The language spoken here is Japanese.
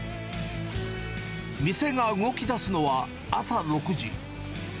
店が動きだすのは朝６時。